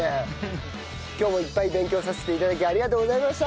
今日もいっぱい勉強させて頂きありがとうございました！